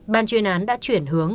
ban chuyên án đã chuyển hướng